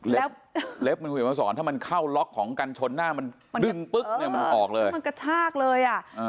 เล็บมันคุณเห็นมาสอนถ้ามันเข้าล็อกของกันชนหน้ามันดึงปุ๊บเนี่ยมันออกเลยมันกระชากเลยอ่ะ